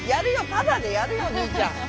タダでやるよ兄ちゃん。